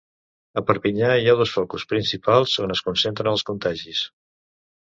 A Perpinyà hi ha dos focus principals on es concentren els contagis.